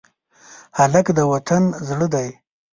هلک د وطن زړه دی.